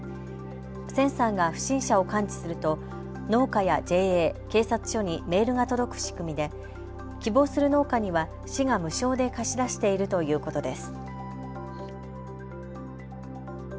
センサーが不審者を感知すると農家やＪＡ、警察署にメールが届く仕組みで希望する農家には市が無償で貸し出しているということです。